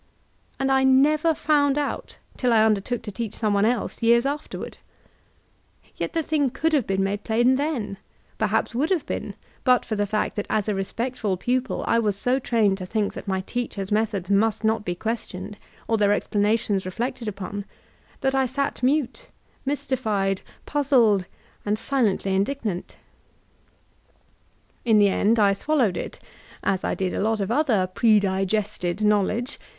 — ^And I never found out till I undertook to teach some one else, years afterward. Yet the thing could have been made plain then ; perhaps would have been, but for the fact that as a respectful pupil I was so trained to think that my teachers* methods must not be questioned or their ex planations reflected upon, that I sat mute, mystified, pu^ zled, and silently indignant In the end I swaUowed it as I did a lot of other "pre digested'* knowledge